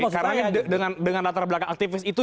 karena dengan latar belakang aktivis itu